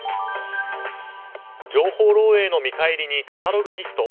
情報漏洩の見返りにカタログギフト